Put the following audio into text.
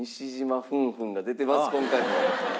今回も。